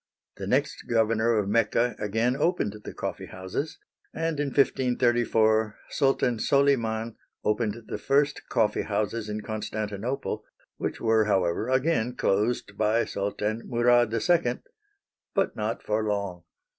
The next governor of Mecca again opened the coffee houses, and in 1534 Sultan Soliman opened the first coffee houses in Constantinople, which were, however, again closed by Sultan Murad II., but not for long.